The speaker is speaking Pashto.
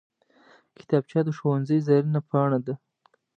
کتابچه د ښوونځي زرینه پاڼه ده